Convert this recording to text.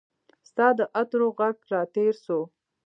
ستا د عطرو ږغ راتیر سو